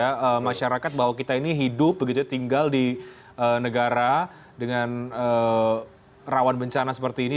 karena masyarakat bahwa kita ini hidup tinggal di negara dengan rawan bencana seperti ini